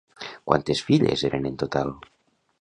Quantes filles eren en total?